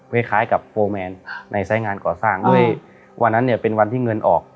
คล้ายกับโฟร์แมนในสายงานก่อสร้างด้วยวันนั้นเนี่ยเป็นวันที่เงินออก